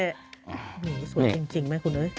สวยจริงไหมครูน้อย